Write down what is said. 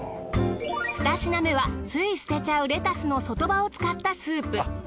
２品目はつい捨てちゃうレタスの外葉を使ったスープ。